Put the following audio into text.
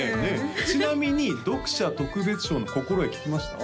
ちなみに読者特別賞の心得聞きました？